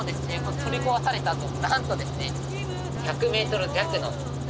取り壊されたあとなんとですね。